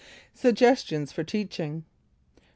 SUGGESTIONS FOR TEACHING. 1.